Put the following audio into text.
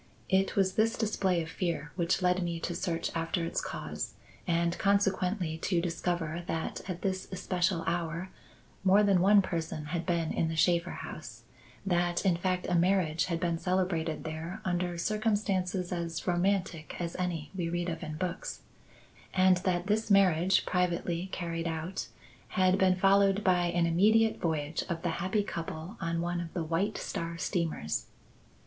It was this display of fear which led me to search after its cause, and consequently to discover that at this especial hour more than one person had been in the Shaffer house; that, in fact, a marriage had been celebrated there under circumstances as romantic as any we read of in books, and that this marriage, privately carried out, had been followed by an immediate voyage of the happy couple on one of the White Star steamers.